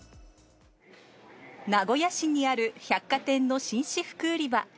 名古屋市にある百貨店の紳士服売り場。